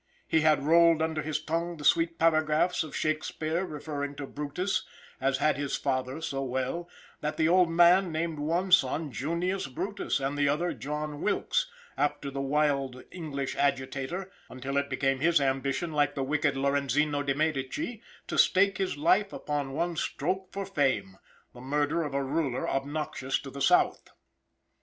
He had rolled under his tongue the sweet paragraphs of Shakspeare refering to Brutus, as had his father so well, that the old man named one son Junius Brutus, and the other John Wilkes, after the wild English agitator, until it became his ambition, like the wicked Lorenzino de Medici, to stake his life upon one stroke for fame, the murder of a ruler obnoxious to the South.